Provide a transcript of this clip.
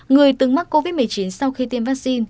người từng mắc covid một mươi chín sau khi tiêm vaccine